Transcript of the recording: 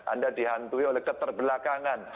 anda dihantui oleh keterbelakangan